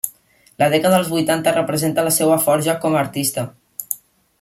La dècada dels vuitanta representa la seua forja com a artista.